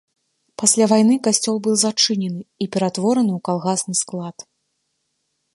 Пасля вайны касцёл быў зачынены і ператвораны ў калгасны склад.